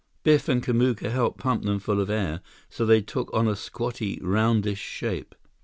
Biff and Kamuka helped pump them full of air, so that they took on a squatty, roundish shape.